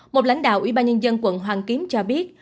một lãnh đạo ubnd quận hoàng kiếm cho biết